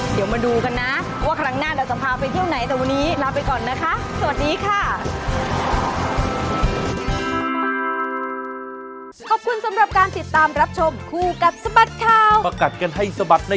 เดี๋ยวมาดูกันนะว่าครั้งหน้าเราจะพาไปเที่ยวไหน